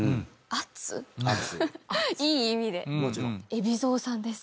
海老蔵さんです。